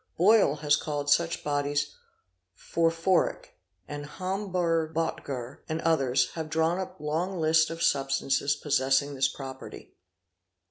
Boyle (1860) has called such bodies " Phorphoric" and Homburg, Béttger "© and others have drawn up long lists of substances possessing this property.